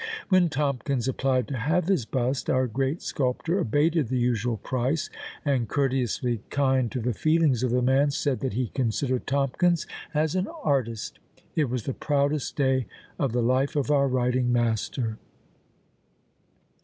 When Tomkins applied to have his bust, our great sculptor abated the usual price, and, courteously kind to the feelings of the man, said that he considered Tomkins as an artist! It was the proudest day of the life of our writing master!